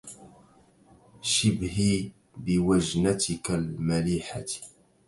شِبهي بوجنتك المليحة